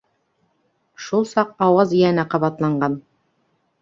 Шул саҡ ауаз йәнә ҡабатланған: